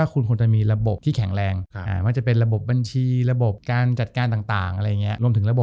๓คุณควรจะมีระบบที่แข็งแรงมักจะเป็นระบบบัญชีระบบการจัดการต่าง